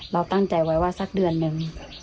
เราตั้งใจไว้ว่าสักเดือนนึง